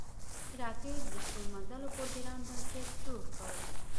راکټ د ستورمزلو پروګرام بنسټ جوړ کړ